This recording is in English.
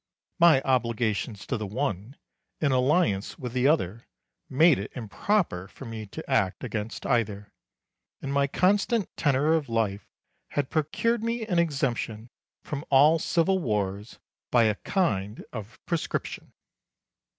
My obligations to the one and alliance with the other made it improper for me to act against either, and my constant tenor of life had procured me an exemption from all civil wars by a kind of prescription.